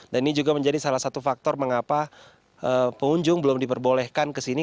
dan ini juga menjadi salah satu faktor mengapa pengunjung belum diperbolehkan ke sini